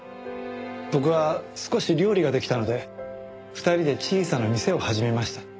僕は少し料理ができたので２人で小さな店を始めました。